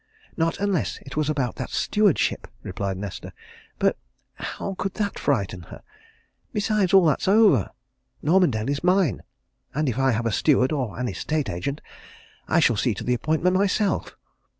"Not unless it was about that stewardship," replied Nesta. "But how could that frighten her? Besides, all that's over. Normandale is mine! and if I have a steward, or an estate agent, I shall see to the appointment myself.